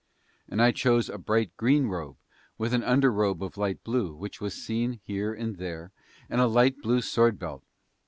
And I chose a bright green robe, with an under robe of light blue which was seen here and there, and a light blue sword belt.